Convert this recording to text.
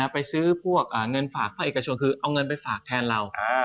ไปซื้อพวกเงินฝากภาคเอกชนคือเอาเงินไปฝากแทนเรา